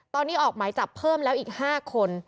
ตอนนี้ออกหมายจับเพิ่มแล้วอีก๕คน